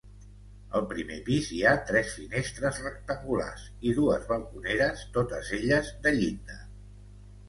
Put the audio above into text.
Al primer pis hi ha tres finestres rectangulars i dues balconeres, totes elles de llinda.